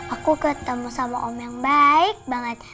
aku ketemu sama om yang baik banget